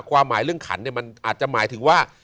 ความหมายเรื่องขันเนี่ยมันอาจจะหมายถึงว่า